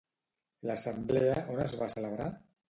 L'assemblea on es va celebrar?